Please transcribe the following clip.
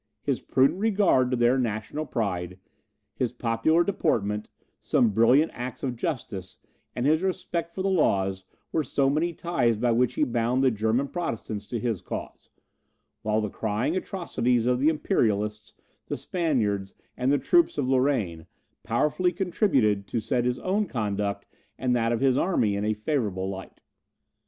His prudent regard to their national pride, his popular deportment, some brilliant acts of justice, and his respect for the laws, were so many ties by which he bound the German Protestants to his cause; while the crying atrocities of the Imperialists, the Spaniards, and the troops of Lorraine, powerfully contributed to set his own conduct and that of his army in a favourable light.